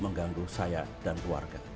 mengganggu saya dan keluarga